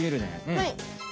はい。